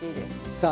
さあ